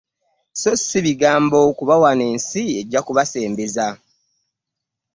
So si bigambo kuba wano ensi ejja kubasembeza.